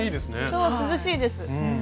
そう涼しいです。